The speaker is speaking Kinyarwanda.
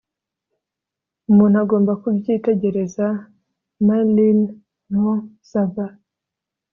umuntu agomba kubyitegereza. - marilyn vos savant